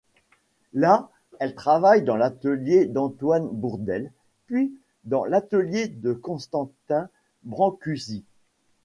Là, elle travaille dans l'atelier d'Antoine Bourdelle, puis dans l'atelier de Constantin Brancusi.